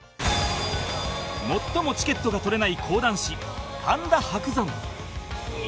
最もチケットが取れない講談師神田伯山